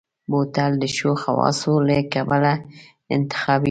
بوتل د ښو خواصو له کبله انتخابېږي.